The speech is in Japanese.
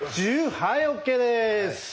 はいＯＫです！